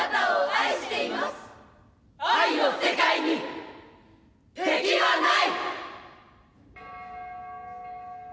愛の世界に敵はない。